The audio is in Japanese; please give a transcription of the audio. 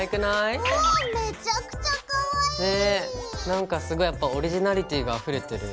なんかすごいやっぱオリジナリティーがあふれてる。